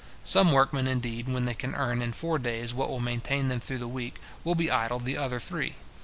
Some workmen, indeed, when they can earn in four days what will maintain them through the week, will be idle the other three.